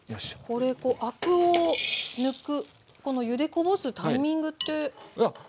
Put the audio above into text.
これこうアクを抜くこのゆでこぼすタイミングってどのくらい？